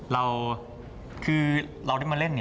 เราได้มาเล่น